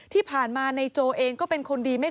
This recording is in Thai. ที่มันก็มีเรื่องที่ดิน